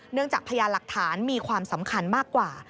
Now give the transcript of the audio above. เนื่องจากพญาหลักฐานมีความสำคัญมากกว่า